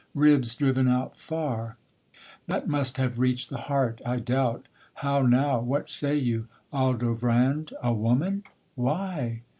ribs driven out far; That must have reach'd the heart, I doubt: how now, What say you, Aldovrand, a woman? why?'